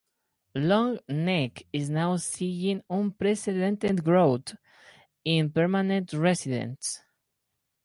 Long Neck is now seeing unprecedented growth in permanent residents.